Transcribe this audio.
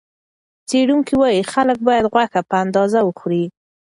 څېړونکي وايي، خلک باید غوښه په اندازه وخوري.